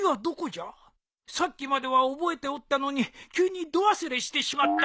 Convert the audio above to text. さっきまでは覚えておったのに急にど忘れしてしまった